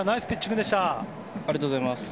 ありがとうございます。